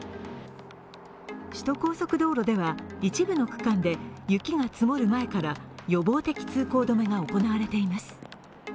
首都高速道路では、一部の区間で雪が積もる前から予防的通行止めが行われています。